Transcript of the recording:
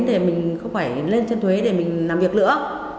để mình không phải lên trên thuế để mình làm việc nữa